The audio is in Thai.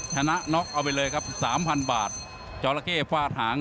ชนะน๊อกเอาไว้เลยครับ๓พันบาทเจาะระเก้ฝ่าฐาง